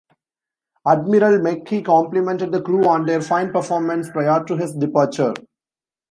Admiral McKee complimented the crew on their fine performance prior to his departure.